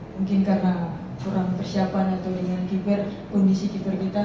mungkin karena kurang persiapan atau dengan keeper kondisi keeper kita